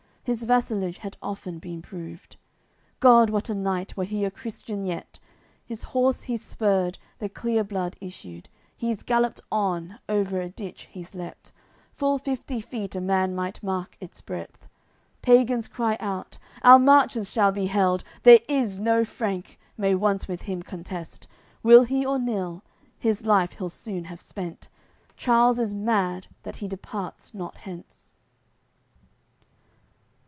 His vassalage had often been proved. God! what a knight, were he a Christian yet! His horse he's spurred, the clear blood issued; He's gallopped on, over a ditch he's leapt, Full fifty feet a man might mark its breadth. Pagans cry out: "Our Marches shall be held; There is no Frank, may once with him contest, Will he or nill, his life he'll soon have spent. Charles is mad, that he departs not hence."